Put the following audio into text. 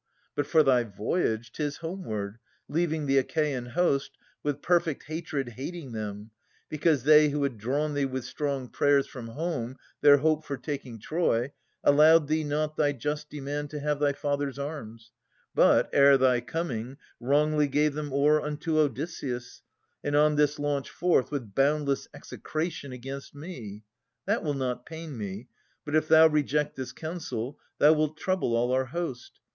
But for thy voyage, 'Tis homeward, leaving the Achean host, With perfect hatred hating them, because They who had drawn thee with strong prayers from home Their hope for taking Troy, allowed thee not Thy just demand to have thy father's arms, But, ere thy coming, wrongly gave them o'er Unto Odysseus : and on this launch forth With boundless execration against me. That will not pain me : but if thou reject This counsel, thou wilt trouble all our host.